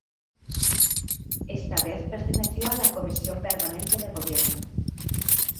Esta vez perteneció a la Comisión permanente de Gobierno.